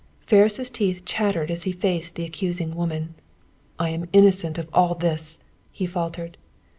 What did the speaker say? Ferris' teeth chattered as he faced the accusing woman. "I am innocent of all this," he faltered.